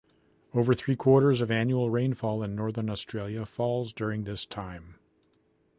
Over three-quarters of annual rainfall in Northern Australia falls during this time.